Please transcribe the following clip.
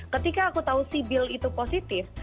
ketika aku tahu si bill itu positif